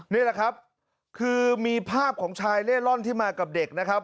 นี่แหละครับคือมีภาพของชายเล่ร่อนที่มากับเด็กนะครับ